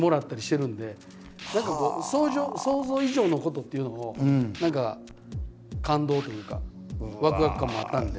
何かこう想像以上のことっていうのを何か感動というかわくわく感もあったんで。